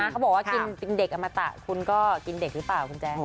เขาบอกว่ากินเป็นเด็กอมตะคุณก็กินเด็กหรือเปล่าคุณแจ๊ค